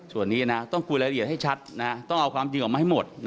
ส่วนนี้นะต้องคุยรายละเอียดให้ชัดต้องเอาความจริงออกมาให้หมด